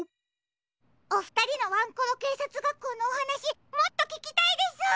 おふたりのワンコロけいさつがっこうのおはなしもっとききたいです！